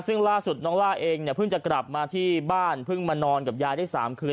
ซึ่งล่าสุดน้องล่าเองเนี่ยเพิ่งจะกลับมาที่บ้านเพิ่งมานอนกับยายได้๓คืน